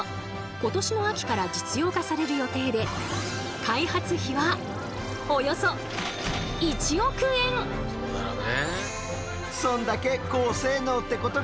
今年の秋から実用化される予定で開発費はそうだろうね。